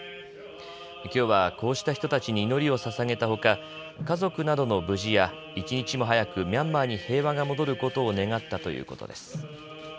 きょうは、こうした人たちに祈りをささげたほか家族などの無事や一日も早くミャンマーに平和が戻ることを願ったということです。